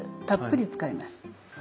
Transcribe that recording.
たっぷり使います。